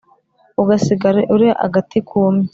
ugasigara uri agati kumye